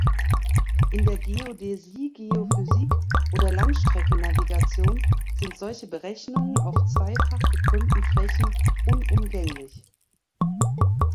In der Geodäsie, Geophysik oder Langstrecken-Navigation sind solche Berechnungen auf "zweifach gekrümmten Flächen" unumgänglich.